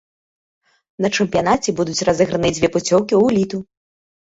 На чэмпіянаце будуць разыграныя дзве пуцёўкі ў эліту.